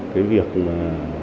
cái việc mà